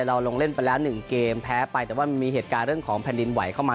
เราลงเล่นไปแล้วหนึ่งเกมแพ้ไปแต่ว่ามันมีเหตุการณ์เรื่องของแผ่นดินไหวเข้ามา